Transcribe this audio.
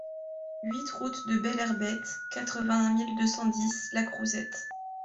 huit route de Belherbette, quatre-vingt-un mille deux cent dix Lacrouzette